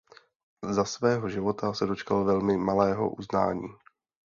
Za svého života se dočkal velmi malého uznání.